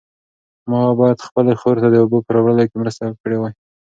ما باید خپلې خور ته د اوبو په راوړلو کې مرسته کړې وای.